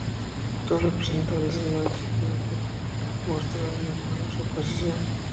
Dos representantes mencheviques mostraron en vano su oposición.